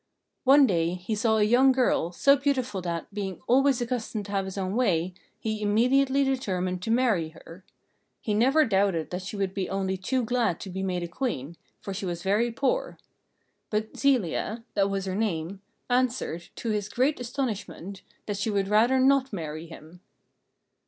One day he saw a young girl, so beautiful that, being always accustomed to have his own way, he immediately determined to marry her. He never doubted that she would be only too glad to be made a Queen, for she was very poor. But Zelia that was her name answered, to his great astonishment, that she would rather not marry him.